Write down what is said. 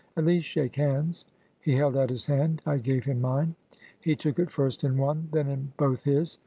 At least shake hands.' He held out his hand; I gave him mine: he took it first in one, then in both his.